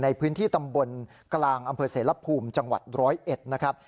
ในพื้นที่ตำบลกลางอำเภอเสรภูมิจังหวัด๑๐๑นะครับ